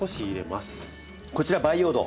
こちら培養土。